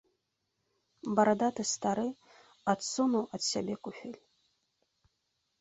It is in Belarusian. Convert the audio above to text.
Барадаты стары адсунуў ад сябе куфель.